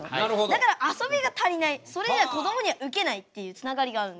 だらかあそびが足りないそれじゃこどもにはウケないっていうつながりがあるんですよ。